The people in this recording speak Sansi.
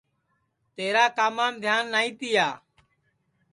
تیرا کامام دھیان نائی تیا